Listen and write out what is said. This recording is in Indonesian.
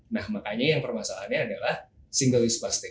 nah makanya yang permasalahannya adalah single use plastic